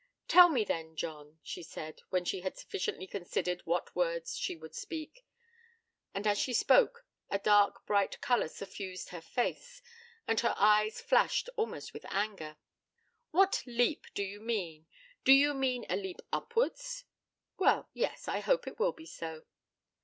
'Tell me, then, John,' she said, when she had sufficiently considered what words she would speak; and as she spoke a dark bright colour suffused her face, and her eyes flashed almost with anger. 'What leap do you mean? Do you mean a leap upwards?' 'Well, yes; I hope it will be so.'